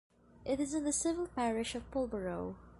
It is in the civil parish of Pulborough.